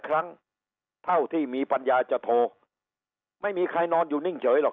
ครั้งเท่าที่มีปัญญาจะโทรไม่มีใครนอนอยู่นิ่งเฉยหรอก